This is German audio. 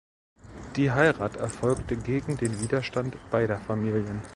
Die Heirat erfolgte gegen den Widerstand beider Familien.